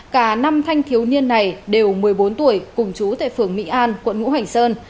cả năm thanh thiếu niên này đều một mươi bốn tuổi cùng chú tại phường mỹ an quận ngũ hành sơn